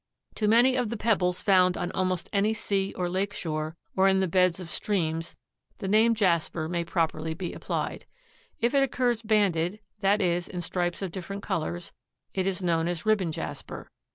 To many of the pebbles found on almost any sea or lake shore or in the beds of streams the name jasper may properly be applied. If it occurs banded, that is, in stripes of different colors, it is known as ribbon jasper.